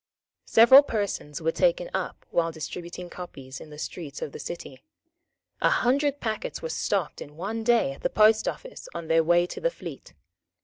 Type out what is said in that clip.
Several persons were taken up while distributing copies in the streets of the city. A hundred packets were stopped in one day at the Post Office on their way to the fleet.